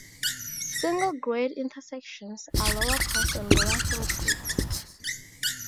Single-grade "intersections" are lower cost and lower throughput.